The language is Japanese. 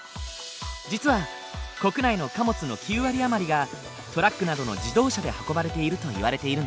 実は国内の貨物の９割余りがトラックなどの自動車で運ばれているといわれているんだ。